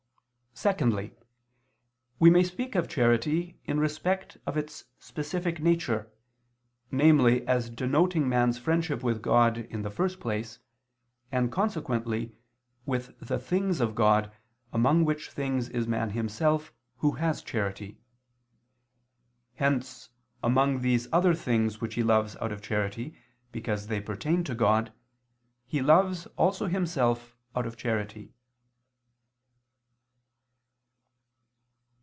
Secondly, we may speak of charity in respect of its specific nature, namely as denoting man's friendship with God in the first place, and, consequently, with the things of God, among which things is man himself who has charity. Hence, among these other things which he loves out of charity because they pertain to God, he loves also himself out of charity.